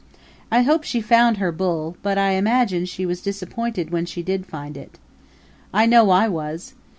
I hope she found her bull, but I imagine she was disappointed when she did find it. I know I was.